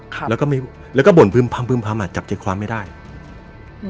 ครับแล้วก็ไม่แล้วก็บ่นพึ่มพำพึ่มพำอ่ะจับใจความไม่ได้อืม